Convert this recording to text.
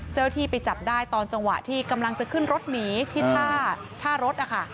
เจ้าหน้าที่ไปจับได้ตอนจังหวะที่กำลังจะขึ้นรถหนีที่ท่ารถนะคะ